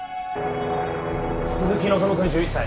鈴木希君１１歳。